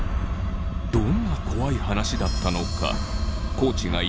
どんな怖い話だったのか。